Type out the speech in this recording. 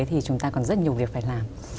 thì chúng ta còn rất nhiều việc phải làm